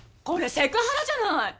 これセクハラじゃない！